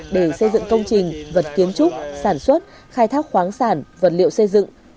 để xây dựng công trình vật kiến trúc sản xuất khai thác khoáng sản vật liệu xây dựng